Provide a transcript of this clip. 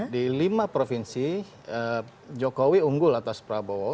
di lima provinsi jokowi unggul atas prabowo